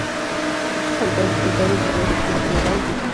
Los productos sanitarios de la directiva general dir.